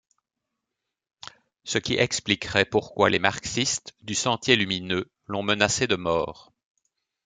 Ce qui expliquerait pourquoi les marxistes du Sentier Lumineux l'ont menacé de mort.